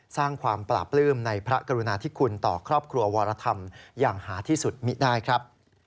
สร้างความปราบปลื้มในพระกรุณาธิคุณต่อครอบครัววรธรรมอย่างหาที่สุดมิได้ครับ